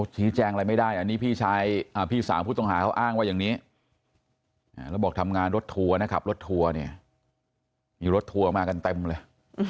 ชี้แจงอะไรไม่ได้อันนี้พี่สาวผู้ต้องหาเขาอ้างว่าอย่างนี้แล้วบอกทำงานรถทัวร์นะขับรถทัวร์เนี่ยมีรถทัวร์มากันเต็มเลย